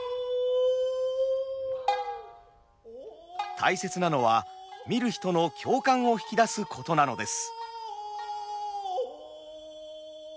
大切なのは見る人の共感を引き出すことなのです。